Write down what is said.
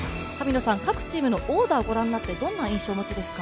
各チームのオーダーをご覧になってどんな印象ですか？